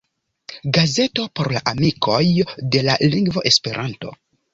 Gazeto por la amikoj de la lingvo Esperanto.